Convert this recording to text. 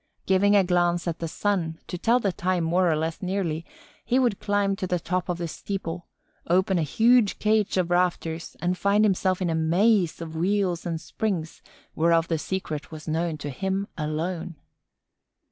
Giving a glance at the sun, to tell the time more or less nearly, he would climb to the top of the steeple, open a huge cage of rafters and find himself in a maze of wheels and springs whereof the secret was known to him alone.